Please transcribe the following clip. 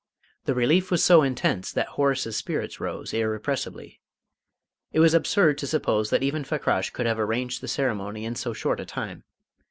The relief was so intense that Horace's spirits rose irrepressibly. It was absurd to suppose that even Fakrash could have arranged the ceremony in so short a time.